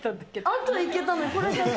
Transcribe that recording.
あとはいけたのに、これだけ？